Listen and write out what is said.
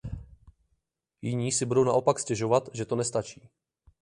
Jiní si budou naopak stěžovat, že to nestačí.